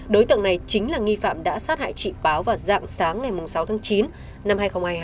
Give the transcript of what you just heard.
đối tượng này chính là nghi phạm đã sát hại chị báo vào dạng sáng ngày sáu tháng chín năm hai nghìn hai mươi hai